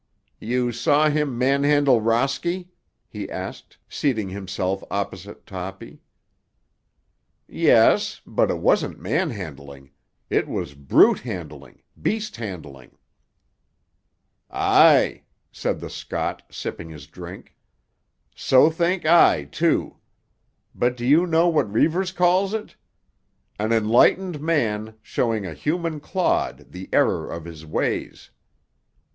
"You saw him manhandle Rosky?" he asked, seating himself opposite Toppy. "Yes; but it wasn't manhandling; it was brute handling, beast handling." "Aye," said the Scot, sipping his drink. "So think I, too. But do you know what Reivers calls it? An enlightened man showing a human clod the error of his ways.